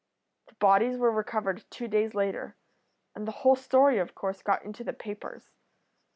"The bodies were recovered two days later, and the whole story of course got into the papers.